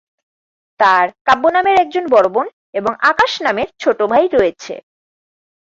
তার কাব্য নামের একজন বড়ো বোন এবং আকাশ নামের ছোটো ভাই রয়েছে।